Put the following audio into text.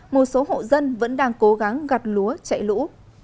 một số hộ dân vẫn đang cố gắng gặt lúa chạy lũ